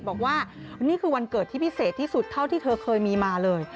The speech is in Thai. บอกว่านี่คือวันเกิดที่พิเศษที่สุดเท่าที่เธอเคยมีมาเลย